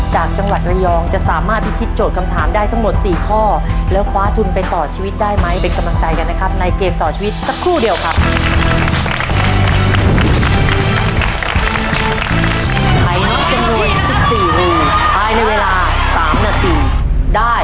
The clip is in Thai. จะได้โบนัสกลับไปบ้านเท่าไหร่